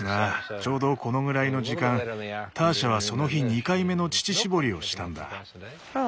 ちょうどこのぐらいの時間ターシャはその日２回目の乳搾りをしたんだ。